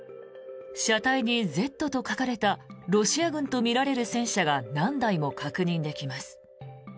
車体に「Ｚ」と書かれたロシア軍とみられる戦車が何台も確認できます。